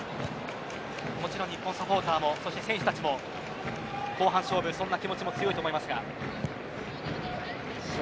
もちろん日本サポーターも選手たちも後半勝負の気持ちも強いと思いますが。